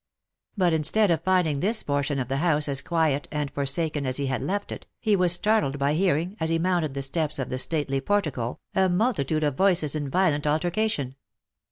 But instead of finding this portion of the house as quiet and forsaken as he had left it, he was startled by hear ing, as he mounted the steps of the stately portico, a multitude of voices in violent altercation.